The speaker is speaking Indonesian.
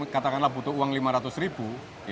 katakanlah butuh uang lima ratus ribu